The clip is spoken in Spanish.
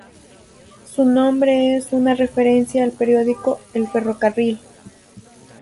Su nombre es una referencia al periódico "El Ferrocarril".